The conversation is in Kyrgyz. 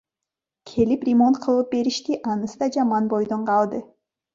Келип ремонт кылып беришти, анысы да жаман бойдон калды.